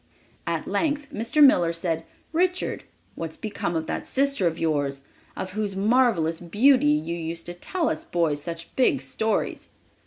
At length Mr. Miller said: "Richard, what has become of that sister of yours, of whose marvelous beauty you used to tell us boys such big stories?"